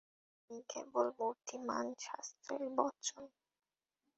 আমি কেবল মূর্তিমান শাস্ত্রের বচন!